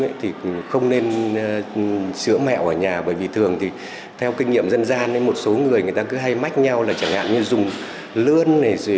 thường thì không nên sửa mẹo ở nhà bởi vì thường thì theo kinh nghiệm dân gian ấy một số người người ta cứ hay mách nhau là chẳng hạn như dùng lươn